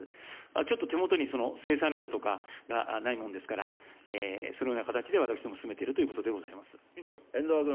ちょっと手元にその生産量とか、ないもんですから、そのような形で私ども、進めているということ遠藤君。